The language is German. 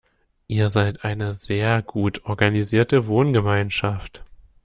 Ihr seid eine sehr gut organisierte Wohngemeinschaft.